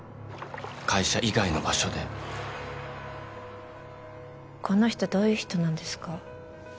会社以外の場所でこの人どういう人なんですか？